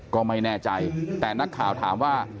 ก็ไม่แน่ใจแต่นักข่าวถามว่า